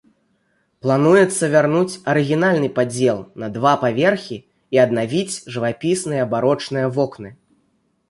Плануецца вярнуць арыгінальны падзел на два паверхі і аднавіць жывапісныя барочны вокны.